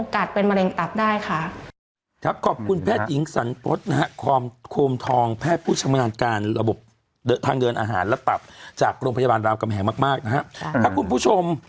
แข็งมากนะฮะถ้าคุณผู้ชม